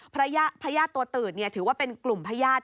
ญาติตัวตืดถือว่าเป็นกลุ่มพญาติ